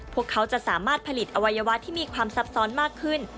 พวกเขาจะสามารถผลิตอวัยวะที่มีความซับซ้อนมากขึ้น